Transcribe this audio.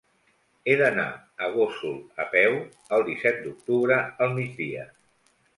He d'anar a Gósol a peu el disset d'octubre al migdia.